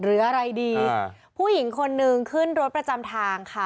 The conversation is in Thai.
หรืออะไรดีผู้หญิงคนนึงขึ้นรถประจำทางค่ะ